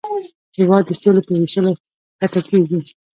هېواد د سولې په ویشلو ښکته کېږي.